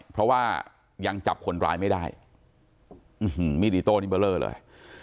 เพราะว่ายังจับคนร้ายไม่ได้มีดอิโต้นี่เบอร์เลอร์เลย